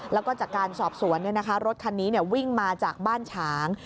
แล้วก็จากการสอบสวนรถคันนี้วิ่งมาจากบ้านฉาง